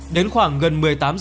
đến khoảng gần một mươi tám h